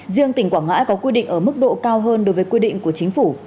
riêng tỉnh quảng ngãi có quy định ở mức độ cao hơn đối với quy định của chính phủ